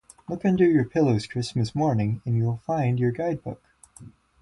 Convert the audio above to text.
Look under your pillows, Christmas morning, and you will find your guide-book.